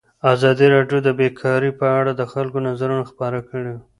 ازادي راډیو د بیکاري په اړه د خلکو نظرونه خپاره کړي.